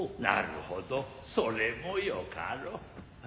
なるほどそれも良かろう。